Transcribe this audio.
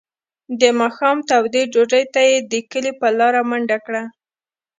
د ماښام تودې ډوډۍ ته یې د کلي په لاره منډه کړه.